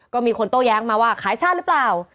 ก็มีคนโต้แย้งมาว่าขายซ่าหรือเปล่า